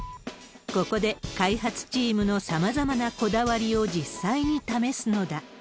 ここで開発チームのさまざまなこだわりを実際に試すのだ。